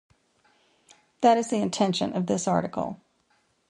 That is the intention of this article.